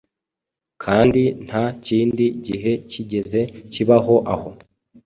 kandi nta kindi gihe cyigeze kibaho aho